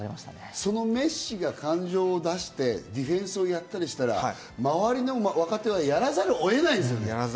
そのメッシが感情を出して、ディフェンスをやったりしたら、周りの若手はやらざるを得ないですよね。